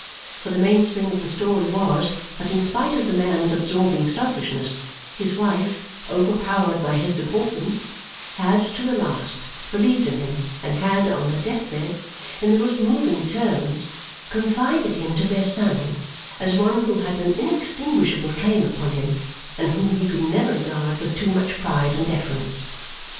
For the mainspring of the story was that in spite of the man's absorbing selfishness, his wife (overpowered by his deportment) had, to the last, believed in him and had, on her death bed, in the most moving terms, confided him to their son as one who had an inextinguishable claim upon him and whom he could never regard with too much pride and deference.